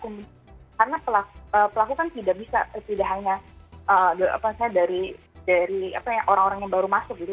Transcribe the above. karena pelaku kan tidak bisa tidak hanya dari orang orang yang baru masuk gitu